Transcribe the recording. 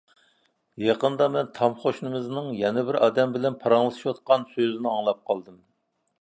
يېقىندا مەن تام قوشنىمىزنىڭ يەنە بىر ئادەم بىلەن پاراڭلىشىۋاتقان سۆزىنى ئاڭلاپ قالدىم.